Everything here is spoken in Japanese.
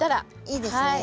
いいですね。